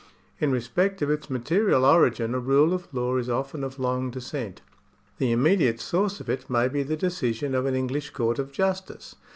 In respect of its material origin a rule of law is often of long descent. The immediate source of it may be the decision of an English court of justice.